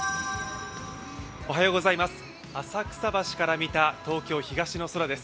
浅草橋から見た東京、東の空です。